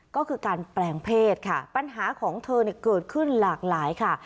ก็คือการแปลงเพศค่ะปัญหาของเธอเนี่ยเกิดขึ้นหลากหลายค่ะ